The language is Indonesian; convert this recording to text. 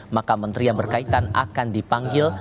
maka menteri yang berkaitan akan dipanggil